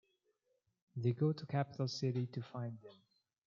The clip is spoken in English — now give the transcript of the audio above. They go to Capital City to find them.